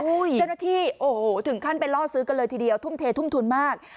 เจ้าหน้าที่โอ้โหถึงขั้นไปล่อซื้อกันเลยทีเดียวทุ่มเททุ่มทุนมาก